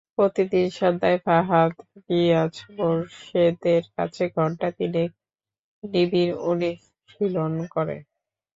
প্রতিদিন সন্ধ্যায় ফাহাদ নিয়াজ মোরশেদের কাছে ঘণ্টা তিনেক নিবিড় অনুশীলন করে।